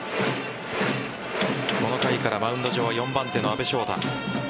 この回からマウンド上４番手の阿部翔太。